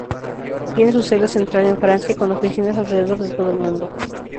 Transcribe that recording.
Tiene su sede central en Francia, con oficinas alrededor de todo el mundo.